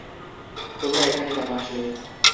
তোমরা এখানে কেন আসলে?